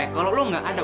kalau lo gak ada